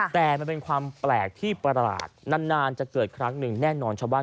แต่มันเป็นความแปลกที่ประหลาดนานจะเกิดครั้งหนึ่ง